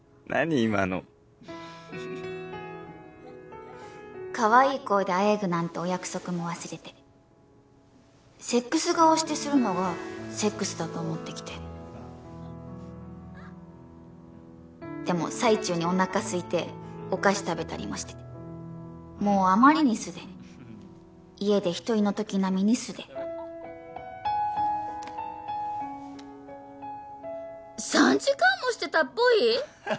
今のかわいい声であえぐなんてお約束も忘れてセックス顔してするのがセックスだと思ってきてでも最中におなかすいてお菓子食べたりもしてもうあまりに素で家で一人のとき並みに素で３時間もシてたっぽい！？